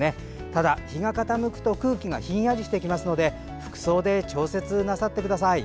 ただ、日が傾くと空気がひんやりしてきますので服装で調節なさってください。